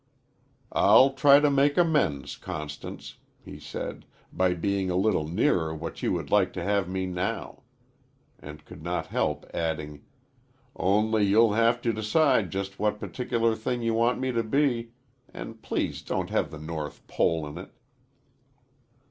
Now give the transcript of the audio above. "I'll try to make amends, Constance," he said, "by being a little nearer what you would like to have me now," and could not help adding, "only you'll have to decide just what particular thing you want me to be, and please don't have the North Pole in it."